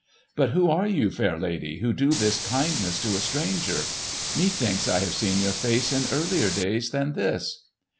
But who are you, fair lady, who do this kindness to a stranger? Methinks I have seen your face in earlier days than this."